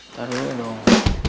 taruh dulu dong